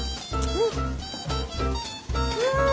うん！